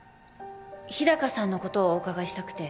日高さんのことをお伺いしたくて